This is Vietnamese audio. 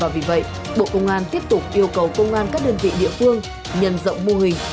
vì vậy bộ công an tiếp tục yêu cầu công an các đơn vị địa phương nhân rộng mô hình